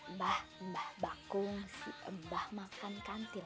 mbah mbah bakung si mbah makan kantil